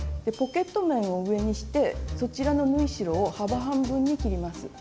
ポケット面を上にしてそちらの縫い代を幅半分に切ります。